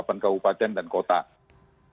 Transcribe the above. tapi juga belum berhasil menurunkan angka penularan